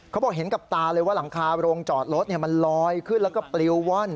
เขาบอกเห็นกับตาเลยว่าหลังคาโรงจอดรถมันลอยขึ้นแล้วก็ปลิวว่อน